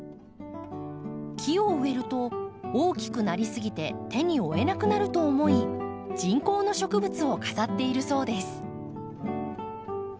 木を植えると大きくなり過ぎて手に負えなくなると思い人工の植物を飾っているそうです。